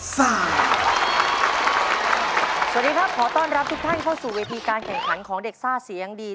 สวัสดีครับขอต้อนรับทุกท่านเข้าสู่เวทีการแข่งขันของเด็กซ่าเสียงดี